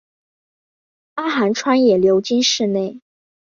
阿寒川也流经市内。